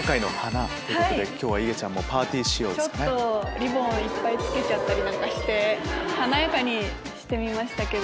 リボンをいっぱい着けちゃったりなんかして華やかにしてみましたけど。